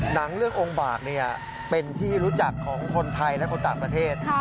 หนังเรื่ององค์บากเป็นที่รู้จักของคนไทยและคนต่างประเทศ